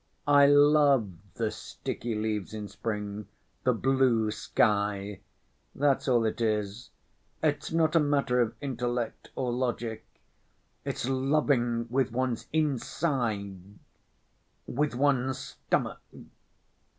I love the sticky leaves in spring, the blue sky—that's all it is. It's not a matter of intellect or logic, it's loving with one's inside, with one's stomach.